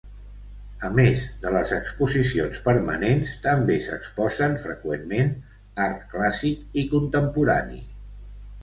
A més de les exposicions permanents, també s'exposen freqüentment art clàssic i contemporani.